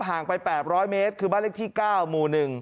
ห่างไป๘๐๐เมตรคือบ้านเลขที่๙หมู่๑